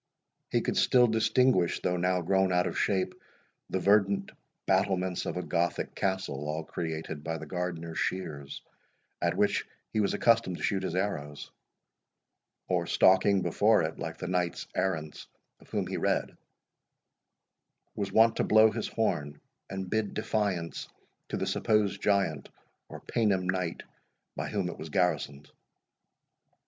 He could still distinguish, though now grown out of shape, the verdant battlements of a Gothic castle, all created by the gardener's shears, at which he was accustomed to shoot his arrows; or, stalking before it like the Knight errants of whom he read, was wont to blow his horn, and bid defiance to the supposed giant or Paynim knight, by whom it was garrisoned.